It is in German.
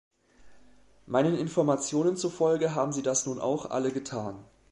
Meinen Informationen zufolge haben sie das nun auch alle getan.